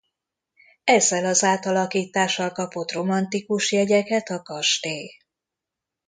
Ezzel az átalakítással kapott romantikus jegyeket a kastély.